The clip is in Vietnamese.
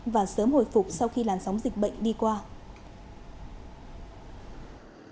và sớm hồi phục sau khi làn sóng dịch bệnh đi qua